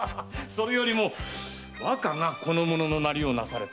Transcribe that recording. それよりも若がこの者の形をなされては？